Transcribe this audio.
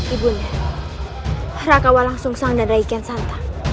ibu nia rakawa langsung sang dan raikian santang